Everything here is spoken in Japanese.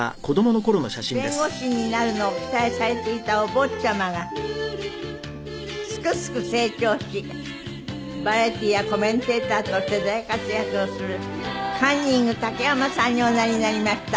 弁護士になるのを期待されていたお坊ちゃまがすくすく成長しバラエティーやコメンテーターとして大活躍をするカンニング竹山さんにおなりになりました。